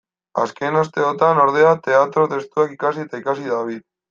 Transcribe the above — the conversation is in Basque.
Azken asteotan, ordea, teatro-testuak ikasi eta ikasi dabil.